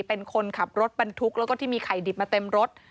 เป็นคนขับรถบรรทุกแล้วก็ที่มีไข่ดิบมาเต็มรถ